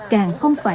càng không phải